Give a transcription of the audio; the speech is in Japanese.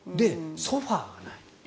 ソファがない。